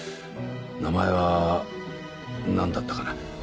名前は何だったかな。